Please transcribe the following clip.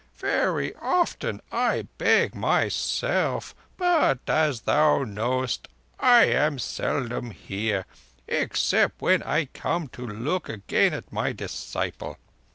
"Very often I beg myself; but, as thou knowest, I am seldom here, except when I come to look again at my disciple.